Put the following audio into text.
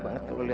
dan itu baiknya